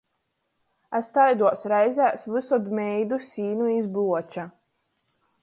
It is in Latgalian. Es taiduos reizēs vysod meidu sīnu iz bluoča.